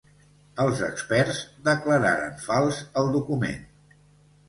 Els experts declararen fals el document.